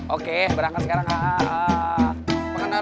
oke berangkat sekarang